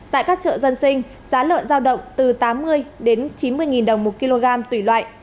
tại các chợ dân sinh giá lợn giao động từ tám mươi chín mươi đồng một kg tùy loại